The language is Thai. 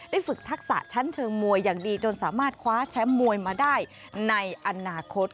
ฝึกทักษะชั้นเชิงมวยอย่างดีจนสามารถคว้าแชมป์มวยมาได้ในอนาคต